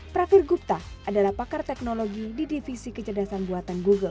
prafir gupta adalah pakar teknologi di divisi kecerdasan buatan google